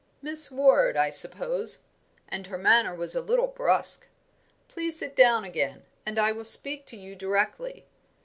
"Miss Ward, I suppose;" and her manner was a little brusque. "Please sit down again, and I will speak to you directly.